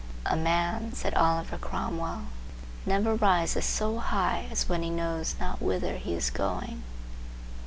"A man," said Oliver Cromwell, "never rises so high as when he knows not whither he is going."